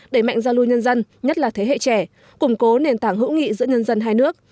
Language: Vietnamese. đẩy mạnh giao lưu nhân dân nhất là thế hệ trẻ củng cố nền tảng hữu nghị giữa nhân dân hai nước